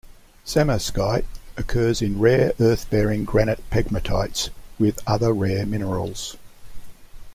Samarskite occurs in rare earth bearing granite pegmatites with other rare minerals.